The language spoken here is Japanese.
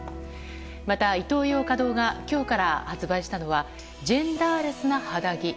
また、イトーヨーカドーが今日から発売したのはジェンダーレスな肌着。